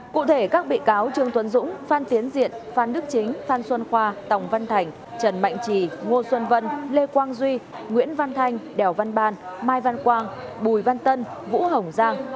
cụ thể các bị cáo trương tuấn dũng phan tiến diện phan đức chính phan xuân khoa tòng văn thành trần mạnh trì ngô xuân vân lê quang duy nguyễn văn thanh đèo văn ban mai văn quang bùi văn tân vũ hồng giang